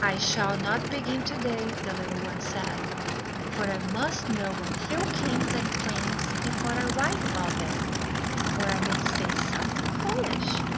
"I shall not begin to day," the little one said, "for I must know a few kings and queens before I write about them, or I may say something foolish."